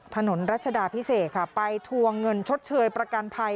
รัชดาพิเศษค่ะไปทวงเงินชดเชยประกันภัย